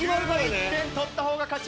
１１点取った方が勝ち。